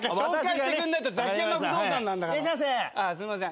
すいません